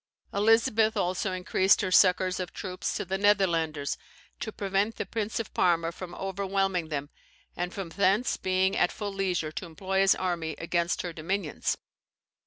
Elizabeth also increased her succours of troops to the Netherlanders, to prevent the Prince of Parma from overwhelming them, and from thence being at full leisure to employ his army against her dominions.